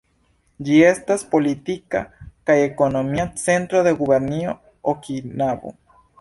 Ĝi estas politika kaj ekonomia centro de la Gubernio Okinavo.